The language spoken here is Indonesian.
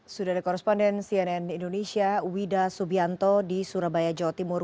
sudah ada koresponden cnn indonesia wida subianto di surabaya jawa timur